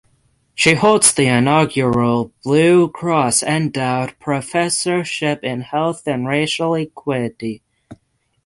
She holds the inaugural Blue Cross Endowed Professorship in Health and Racial Equity.